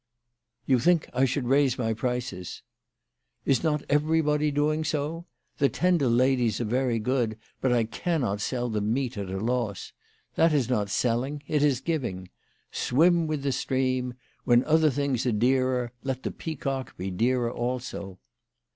" You think I should raise my prices." " Is not everybody doing so ? The Tendel ladies are very good, but I cannot sell them meat at a loss. That is not selling ; it is giving. Swim with the stream. When other things are dearer, let the Peacock be dearer also."